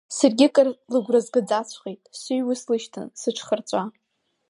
Саргьы кыр лыгәра згаӡаҵәҟьеит, сыҩуа слышьҭан, сыҽхырҵәа.